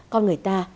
còn người ta